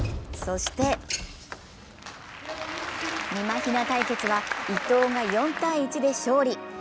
そしてみま・ひな対決は伊藤が４−１で勝利。